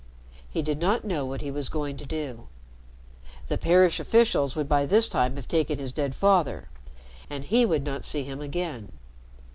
He did not know what he was going to do. The parish officials would by this time have taken his dead father, and he would not see him again.